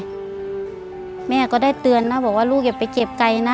แม่ก็ได้เตือนนะบอกว่าลูกอย่าไปเก็บไกลนะ